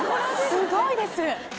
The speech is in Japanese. すごいです？